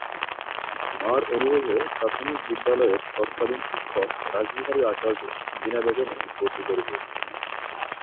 মা'র অনুরোধে প্রাথমিক বিদ্যালয়ের তৎকালীন শিক্ষক রাসবিহারী আচার্য বিনা বেতনে ভর্তি করে নিয়েছিলেন।